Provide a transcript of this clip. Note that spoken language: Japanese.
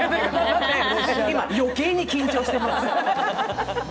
今、余計に緊張してます。